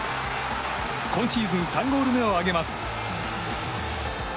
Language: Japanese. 今シーズン３ゴール目を挙げます。